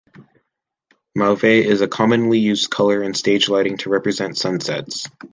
Mauve is a commonly used color in stage lighting to represent sunsets.